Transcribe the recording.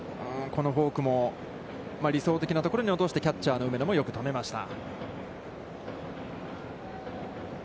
このフォークも理想的なところに落としてキャッチャーの梅野もよく止めました。